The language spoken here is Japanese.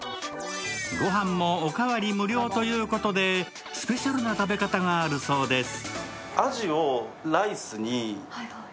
ご飯もお代わり無料ということでスペシャルな食べ方があるそうです。